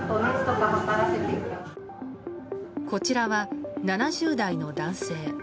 こちらは、７０代の男性。